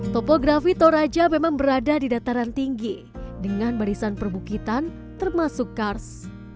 topografi toraja memang berada di dataran tinggi dengan barisan perbukitan termasuk kars